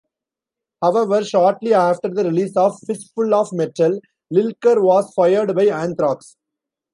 However, shortly after the release of "Fistful of Metal", Lilker was fired by Anthrax.